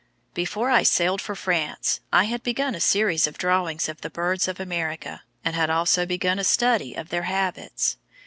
"Before I sailed for France, I had begun a series of drawings of the birds of America, and had also begun a study of their habits.